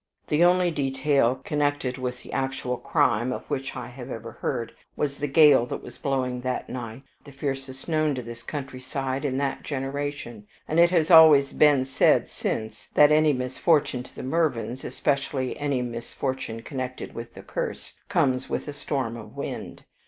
The only detail connected with the actual crime of which I have ever heard, was the gale that was blowing that night the fiercest known to this countryside in that generation; and it has always been said since that any misfortune to the Mervyns especially any misfortune connected with the curse comes with a storm of wind.